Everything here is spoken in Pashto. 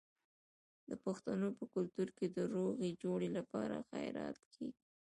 د پښتنو په کلتور کې د روغې جوړې لپاره خیرات کیږي.